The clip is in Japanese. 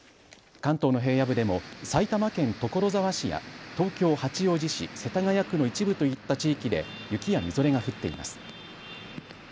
関東の平野部でも埼玉県所沢市や東京八王子市、世田谷区の一部といった地域で雪やみぞれが降っています。